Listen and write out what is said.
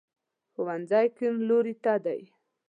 ښوونځی کیڼ لوري ته دی